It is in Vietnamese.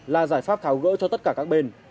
là giải pháp tháo gỡ cho tất cả các bên